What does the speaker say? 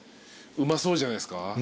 うまそうじゃないすか？